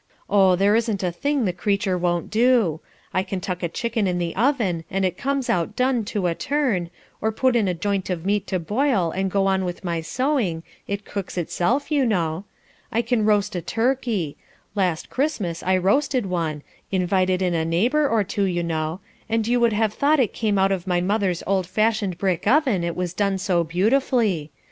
Oh, there isn't a thing the creature won't do. I can tuck a chicken in the oven and it comes out done to a turn, or put in a joint of meat to boil and go on with my sewing, it cooks itself, you know. I can roast a turkey; last Christmas I roasted one (invited in a neighbour or two, you know), and you would have thought it came out of my mother's old fashioned brick oven, it was done so beautifully.